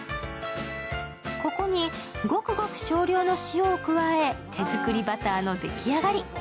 ここに、ごくごく少量の塩を加え、手作りバターの出来上がり。